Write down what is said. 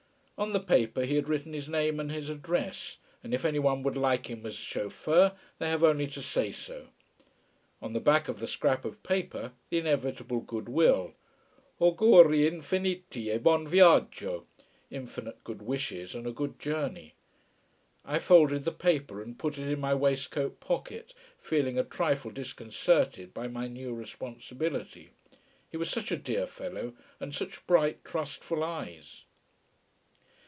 On the paper he had written his name and his address, and if anyone would like him as chauffeur they have only to say so. On the back of the scrap of paper the inevitable goodwill: Auguri infiniti e buon Viaggio. Infinite good wishes and a good journey. I folded the paper and put it in my waistcoat pocket, feeling a trifle disconcerted by my new responsibility. He was such a dear fellow and such bright trustful eyes.